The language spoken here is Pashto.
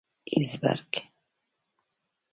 هېزبرګ.